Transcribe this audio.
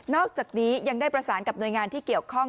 อกจากนี้ยังได้ประสานกับหน่วยงานที่เกี่ยวข้อง